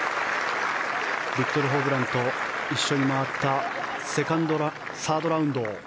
ビクトル・ホブランと一緒に回ったサードラウンド。